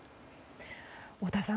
太田さん